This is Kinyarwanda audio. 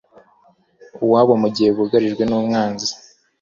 uwabo mu gihe bugarijwe n umwanzi